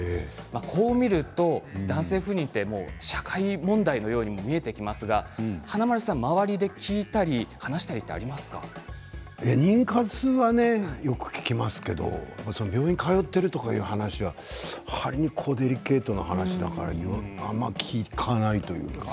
こう見ると男性不妊って社会問題のようにも見えてきますが華丸さん、周りで聞いたり妊活はねよく聞きますけど病院に通っているという話はわりにデリケートな話だからあんまり聞かないというか。